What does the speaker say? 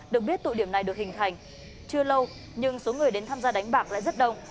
được biết tụ điểm này được hình thành chưa lâu nhưng số người đến tham gia đánh bạc lại rất đông